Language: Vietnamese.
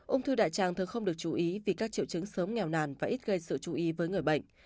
ung thư đại tràng thường không được chú ý vì các triệu chứng sớm nghèo nàn và ít gây sự chú ý với người bệnh